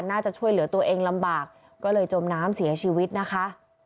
น่าจะช่วยเหลือตัวเองลำบากก็เลยจมน้ำเสียชีวิตนะคะ